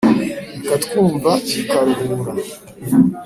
Ikatwumva n'i Karuhura.